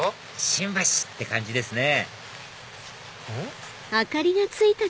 新橋！って感じですねうん？